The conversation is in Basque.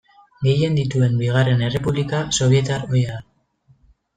Gehien dituen bigarren errepublika sobietar ohia da.